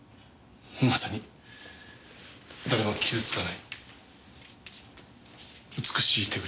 まさに誰も傷つかない美しい手口です。